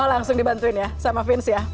oh langsung dibantuin ya sama vince ya